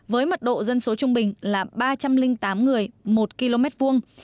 với mật độ dân số trung bình là ba trăm linh tám người một km vuông